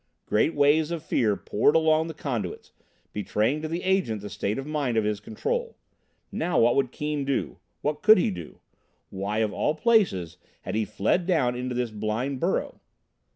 Great waves of fear poured along the conduits, betraying to the Agent the state of mind of his Control. Now what would Keane do? What could he do? Why, of all places, had he fled down into this blind burrow?